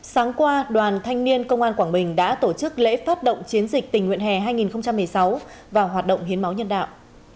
sáng qua đoàn thanh niên công an quảng bình đã tổ chức lễ phát động chiến dịch tình nguyện hè hai nghìn một mươi sáu và hoạt động hiến máu nhân đạo